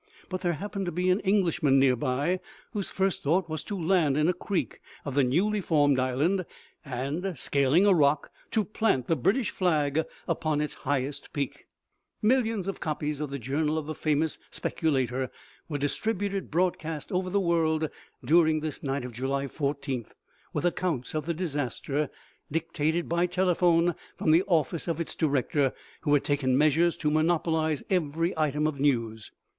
But there happened to be an English man nearby, whose first thought was to land in a creek of the newly formed island, and scaling a rock, to plant the British flag upon its highest peak. OMEGA. 181 Millions of copies of the journal of the famous specula tor were distributed broadcast over the world during this night of July i4th, with accounts of the disaster, dictated by telephone from the office of its director, who had taken measures to monopolize every item of news.